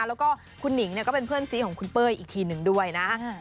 แล้วก็คุณหนิงเนี่ยก็เป็นเพื่อนซีของคุณเป้ยอีกทีหนึ่งด้วยนะ